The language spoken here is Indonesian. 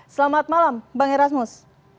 selamat malam bang erasmus